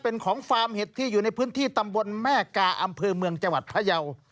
เป็นของฟาร์มเห็ดที่อยู่ในพื้นที่ตำบลแม่กาอำเภอเมืองจังหวัดพยาว